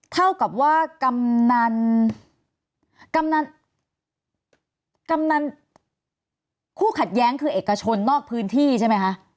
เท่ากับว่ากำนันกำนันคู่ขัดแย้งคือเอกชนนอกพื้นที่ใช่ไหมคะ